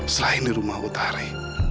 selain di rumah utari